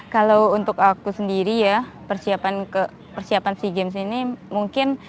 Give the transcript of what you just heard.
kalau untuk aku sendiri ya persiapan sea games ini mungkin